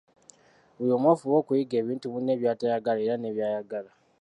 Buli omu afube okuyiga ebintu munne by’atayagala era ne byayagala.